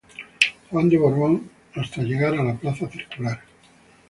Juan de Borbón hasta llegar a la Plaza Circular.